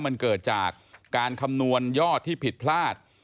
มันเกิดจากการคำนวณยอดที่ผิดพลาด